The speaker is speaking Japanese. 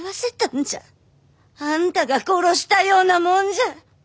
あんたが殺したようなもんじゃ！